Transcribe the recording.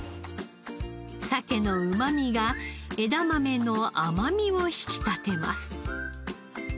鮭のうまみが枝豆の甘味を引き立てます。